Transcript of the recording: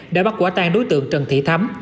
đã bắt quả tan đối tượng trần thị thắm